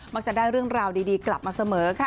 จะได้เรื่องราวดีกลับมาเสมอค่ะ